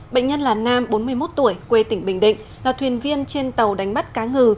bệnh nhân là nam bốn mươi một tuổi quê tỉnh bình định là thuyền viên trên tàu đánh bắt cá ngừ